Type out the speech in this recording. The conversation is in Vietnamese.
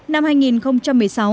năm hai nghìn một mươi sáu thị trường mỹ